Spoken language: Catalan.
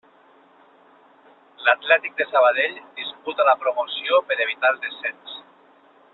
L'Atlètic de Sabadell disputa la promoció per evitar el descens.